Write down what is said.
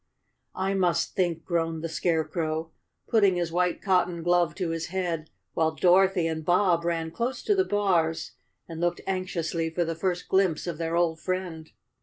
"I must think!" groaned the Scarecrow, putting his white cotton glove to his head, while Dorothy and Bob ran close to the bars and looked anxiously for the first glimpse of their old friend.